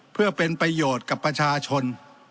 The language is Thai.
เพื่อเป็นประโยชน์กับประชาชน